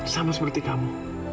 sama seperti kamu